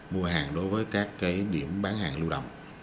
mua hàng đối với các điểm bán hàng lưu động